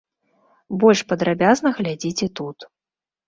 Больш падрабязна глядзіце тут.